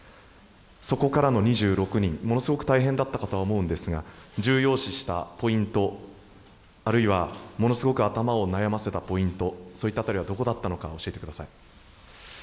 そこからの２６人、ものすごく大変だったかとは思うんですが、重要視したポイント、あるいは、ものすごく頭を悩ませたポイント、そういった辺りはどこだったのか、教えてください。